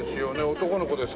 男の子です。